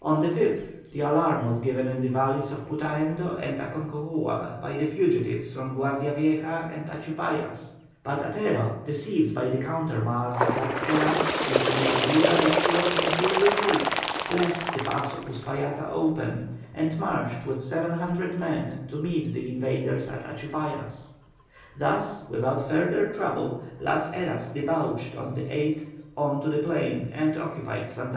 On the 5th the alarm was given in the valleys of Putaendo and Aconcagua by the fugitives from Guardia Vieja and Achupallas, but Atero, deceived by the countermarch of Las Heras into the idea that he was in full retreat, left the pass of Uspallata open, and marched with 700 men to meet the invaders at Achupallas. Thus, without further trouble, Las Heras debouched on the 8th on to the plain and occupied Santa Rosa.